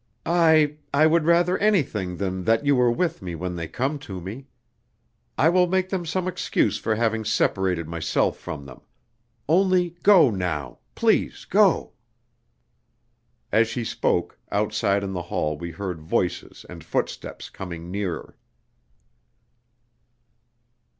I I would rather anything than that you were with me when they come to me. I will make them some excuse for having separated myself from them. Only go now please go." As she spoke, outside in the hall we heard voices and footsteps coming nearer.